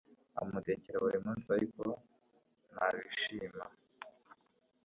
amutekera buri munsi, ariko ntabishima